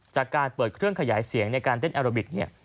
จากการเปิดเครื่องขยายเสียงในการเต้นแอโรบิกเนี่ย